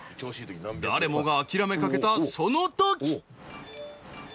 誰もが諦めかけたそのとき！